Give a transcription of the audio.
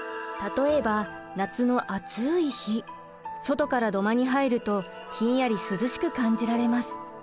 例えば夏の暑い日外から土間に入るとひんやり涼しく感じられます。